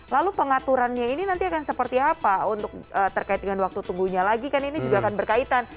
lalu pengaturannya ini nanti akan seperti apa untuk terkait dengan waktu tunggunya lagi kan ini juga akan berkaitan